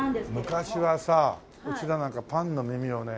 昔はさうちらなんかパンの耳をね